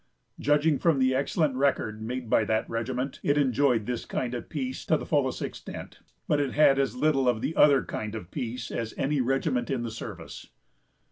Judging from the excellent record made by that regiment, it enjoyed this kind of peace to the fullest extent, but it had as little of the other kind of peace as any regiment in the service.